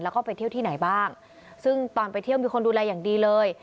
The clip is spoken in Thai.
แล้วก็ไปเที่ยวที่ไหนบ้างซึ่งตอนไปเที่ยวมีคนดูแลอย่างดีเลย